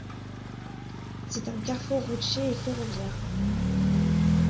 C'est un carrefour routier et ferroviaire.